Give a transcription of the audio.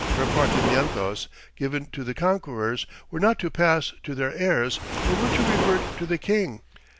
Repartimientos given to the conquerors were not to pass to their heirs, but were to revert to the king.